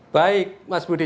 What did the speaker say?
baik mas budi